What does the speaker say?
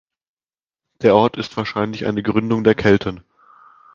Der Ort ist wahrscheinlich eine Gründung der Kelten.